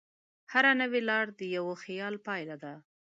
هره نوې لار د یوه خیال پایله ده.